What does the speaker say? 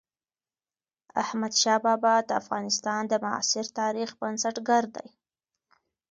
احمد شاه بابا د افغانستان د معاصر تاريخ بنسټ ګر دئ.